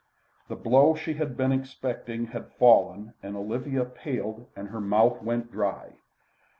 The blow she had been expecting had fallen, and Olivia paled and her mouth went dry.